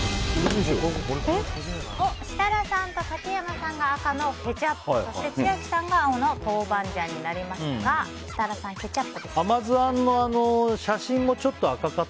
設楽さんと竹山さんが赤のケチャップそして千秋さんが青の豆板醤になりましたが設楽さん、ケチャップですか。